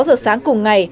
sáu giờ sáng cùng ngày